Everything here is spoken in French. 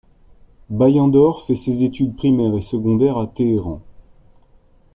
Bayandor fait ses études primaires et secondaires à Téhéran.